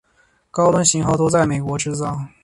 高端型号都在美国制造。